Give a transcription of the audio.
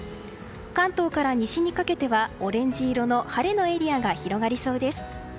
関東から西にかけてはオレンジ色の晴れのエリアが広がりそうです。